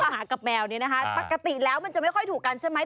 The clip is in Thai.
หากับแมวเนี่ยนะคะปกติแล้วมันจะไม่ค่อยถูกกันใช่ไหม